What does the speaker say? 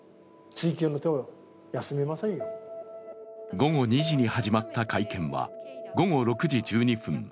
午後２時に始まった会見は午後６時１２分